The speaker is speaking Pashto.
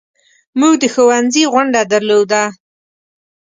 موږ د ښوونځي غونډه درلوده.